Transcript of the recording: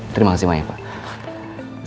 terima kasih banyak pak